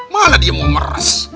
malah dia mau meres